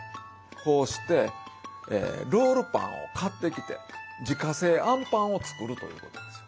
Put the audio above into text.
こうしてロールパンを買ってきて自家製あんぱんを作るということですよ。